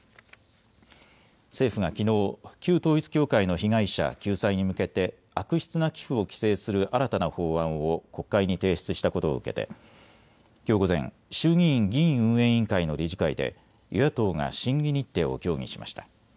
政府がきのう旧統一教会の被害者救済に向けて悪質な寄付を規制する新たな法案を国会に提出したことを受けてきょう午前、衆議院議院運営委員会の理事会で与野党が審議日程を協議しました。